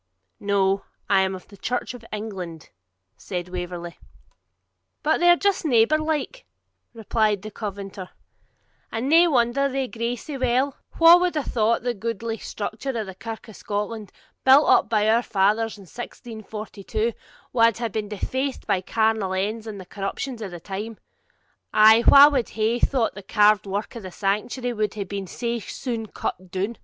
'No; I am of the Church of England,' said Waverley. 'And they're just neighbour like,' replied the Covenanter; 'and nae wonder they gree sae weel. Wha wad hae thought the goodly structure of the Kirk of Scotland, built up by our fathers in 1642, wad hae been defaced by carnal ends and the corruptions of the time; ay, wha wad hae thought the carved work of the sanctuary would hae been sae soon cut down!'